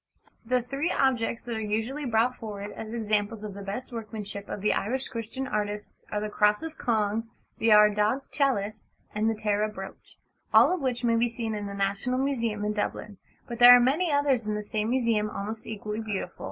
The three objects that are usually brought forward as examples of the best workmanship of the Irish Christian artists are the Cross of Cong, the Ardagh Chalice, and the Tara Brooch, all of which may be seen in the National Museum in Dublin: but there are many others in the same museum almost equally beautiful.